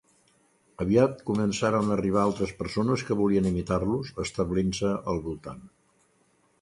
Aviat començaren a arribar altres persones que volien imitar-los, establint-se al voltant.